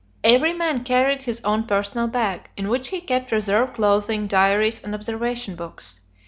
Every man carried his own personal bag, in which he kept reserve clothing, diaries and observation books.